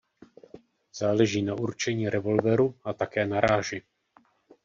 Záleží na určení revolveru a také na ráži.